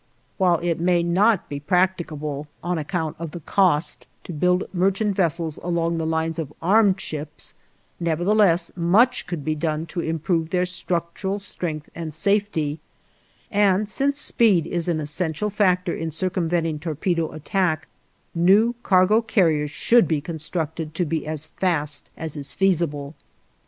While it may not be practicable, on account of the cost, to build merchant vessels along the lines of armed ships, nevertheless much could be done to improve their structural strength and safety; and since speed is an essential factor in circumventing torpedo attack, new cargo carriers should be constructed to be as fast as is feasible.